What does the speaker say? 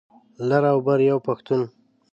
لر او بر یو پښتون.